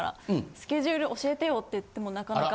スケジュール教えてよって言ってもなかなか。